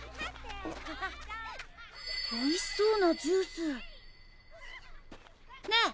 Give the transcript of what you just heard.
おいしそうなジュース。ねえ！